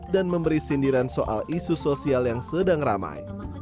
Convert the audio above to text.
dan memberi sindiran soal isu sosial yang sedang ramai